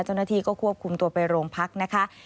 เจ้าหน้าที่ก็ควบคุมตัวไปโรงพักนะคะ